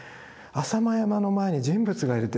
浅間山の前に人物がいるって